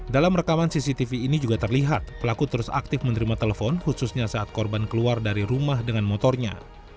dalam rekaman cctv ini juga terlihat pelaku terus aktif menerima telepon khususnya saat korban keluar dari rumah dengan motornya